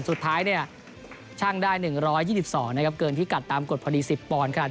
สุดท้ายเนี่ยช่างได้๑๒๒นะครับเกินพิกัดตามกฎพอดี๑๐ปอนด์ขนาด